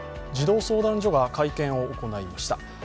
児童相談所が会見を行いました。